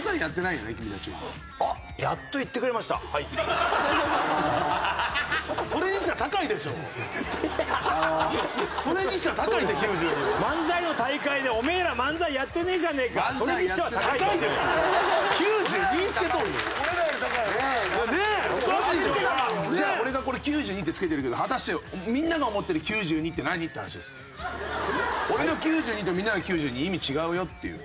しゃべってたのに俺ら。じゃあ俺がこれ９２ってつけてるけど果たして俺の９２とみんなの９２意味違うよっていう。